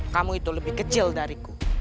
kamu itu lebih kecil dariku